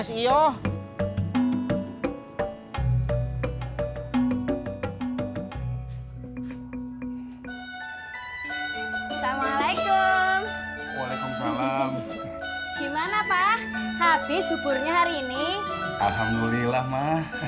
loh kalau habis kau mau kasih apa